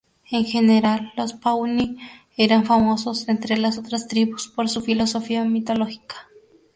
En general, los pawnee eran famosos entre las otras tribus por su filosofía mitológica.